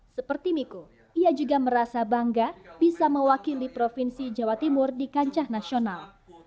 seperti miko ia juga merasa bangga bisa mewakili provinsi jawa timur di kancah nasional